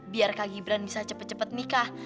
biar kak gibran bisa cepet cepet nikah